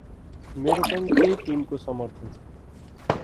मेरो पनि त्यहि टिम को समर्थन छ ।